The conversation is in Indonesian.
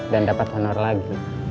dan dapat honor lagi